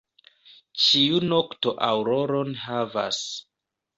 Ĉiu nokto aŭroron havas.